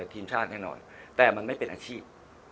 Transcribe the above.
ทีมชาติแน่นอนแต่มันไม่เป็นอาชีพ